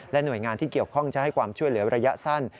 หน่วยงานที่เกี่ยวข้องจะให้ความช่วยเหลือระยะสั้น